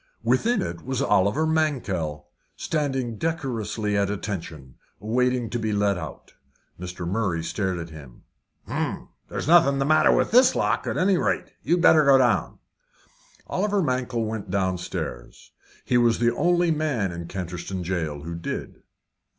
Within it was Oliver Mankell, standing decorously at attention, waiting to be let out. Mr. Murray stared at him. "Hum! there's nothing the matter with this lock, at any rate. You'd better go down." Oliver Mankell went downstairs he was the only man in Canterstone jail who did.